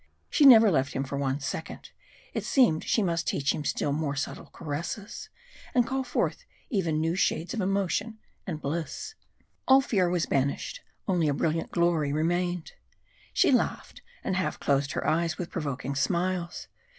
She never left him for one second it seemed she must teach him still more subtle caresses, and call forth even new shades of emotion and bliss. All fear was banished, only a brilliant glory remained. She laughed and half closed her eyes with provoking smiles.